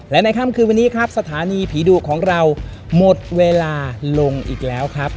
และในค่ำคืนวันนี้ครับสถานีผีดุของเราหมดเวลาลงอีกแล้วครับ